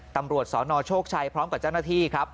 ตำรวจสนโชคชัยพร้อมกับเจ้าหน้าที่ครับ